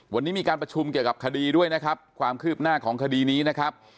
วันนี้มีการประชุมเกี่ยวกับคดีด้วยนะครับความคืบหน้าของคดีนี้นะครับ